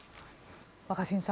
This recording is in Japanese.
若新さん